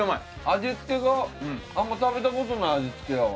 味付けがあんま食べた事ない味付けやわ。